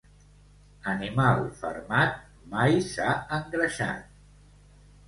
Animal fermat mai s'ha engreixat.